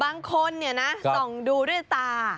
บางคนเนี่ยนะส่องดูด้วยตา